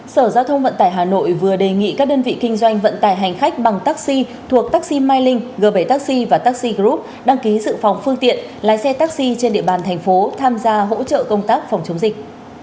sở giao thông vận tải hà nội vừa đề nghị các đơn vị kinh doanh vận tải hành khách bằng taxi thuộc taxi mai linh g bảy taxi và taxi group đăng ký dự phòng phương tiện lái xe taxi trên địa bàn thành phố tham gia hỗ trợ công tác phòng chống dịch